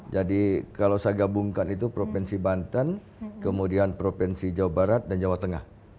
jadi kalau saya gabungkan itu provinsi banten kemudian provinsi jawa barat dan jawa tengah